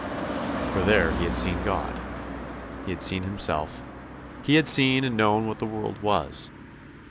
For there he had seen God; he had seen himself; he had seen and known what the world was.